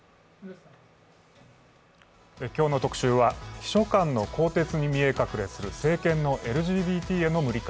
今日の特集は秘書官の更迭に見え隠れする政権のＬＧＢＴへの無理解。